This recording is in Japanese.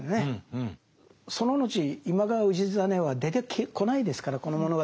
その後今川氏真は出てこないですからこの物語に。